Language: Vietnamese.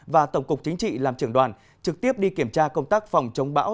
và tổng cục chính trị làm trưởng đoàn trực tiếp đi kiểm tra công tác phòng chống bão